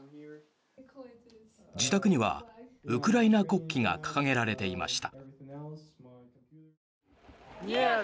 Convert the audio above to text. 自宅にはウクライナ国旗が掲げられていました。